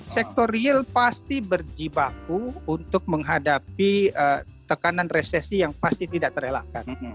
sektor real pasti berjibaku untuk menghadapi tekanan resesi yang pasti tidak terelakkan